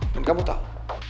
dan kamu tau